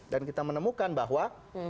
dan kita menemukan bahwa